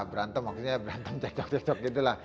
berantem maksudnya berantem cocok cocok gitu lah